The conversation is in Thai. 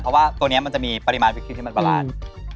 เพราะว่าตัวนี้มันจะมีปริมาณวิกฤตที่มันประหลาด